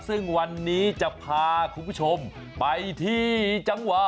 ซึ่งวันนี้จะพาคุณผู้ชมไปที่จังหวะ